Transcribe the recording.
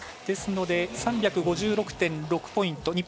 ですので、３５６．６ポイント。